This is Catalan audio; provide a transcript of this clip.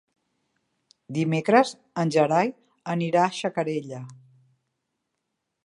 Dimecres en Gerai anirà a Xacarella.